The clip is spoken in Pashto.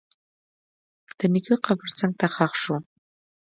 د نیکه قبر څنګ ته ښخ شو.